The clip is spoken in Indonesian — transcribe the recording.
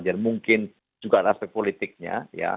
dan mungkin juga ada aspek politiknya ya